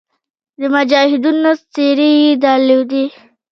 د مجاهدینو څېرې یې درلودې.